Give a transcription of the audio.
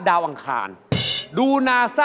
กลับไปก่อนเลยนะครับ